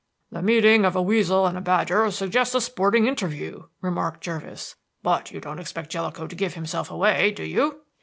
"The meeting of a weasel and a badger suggests a sporting interview," remarked Jervis. "But you don't expect Jellicoe to give himself away, do you?"